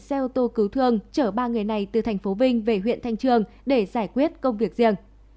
xe ô tô cứu thương chở ba người này từ thành phố vinh về huyện thanh trường để giải quyết công việc riêng